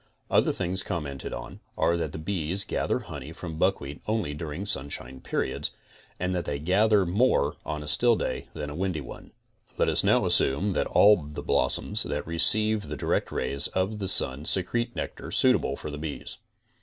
Other things commented on, are that the bees. gather honey from buckwheat only during sunshine periods, and that they gather more on a still day than a windy one. Let us now assume that all the blossoms that receive the direct rays of the sun secrete nectar suitable for the bees.